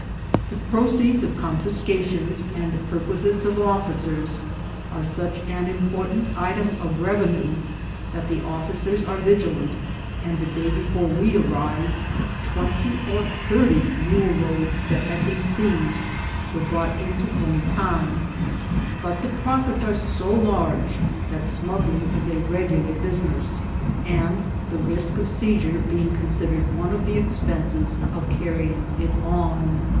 The proceeds of confiscations and the perquisites of officers are such an important UTILITY OP A FRIEND. 253 item of revenue that the officers are vigilant, and the day before we arrived twenty or thirty mule loads that had been seized were brought into Comitan ; but the profits are so large that smuggling is a regular business, the risk of seizure being considered one of the expenses of carrying it on.